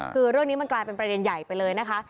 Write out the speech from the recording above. คือเรื่องนี้มันกลายเป็นประเด็นใหญ่ไปเลยนะคะ